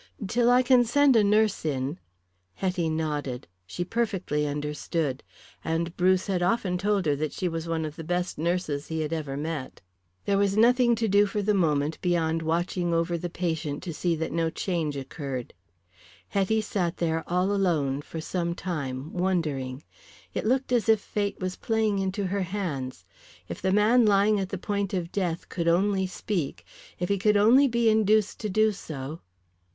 Till I can send a nurse in " Hetty nodded. She perfectly understood. And Bruce had often told her that she was one of the best nurses he had ever met. There was nothing to do for the moment beyond watching over the patient to see that no change occurred. Hetty sat there all alone for some time wondering. It looked as if fate was playing into her hands. If the man lying at the point of death could only speak, if he could only be induced to do so.